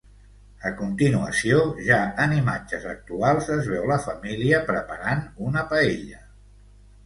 A continuació, ja en imatges actuals, es veu la família preparant una paella.